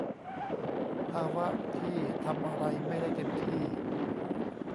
ภาวะที่ทำอะไรไม่ได้เต็มที่